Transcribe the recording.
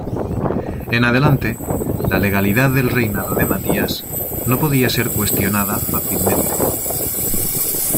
En adelante, la legalidad del reinado de Matías no podía ser cuestionada fácilmente.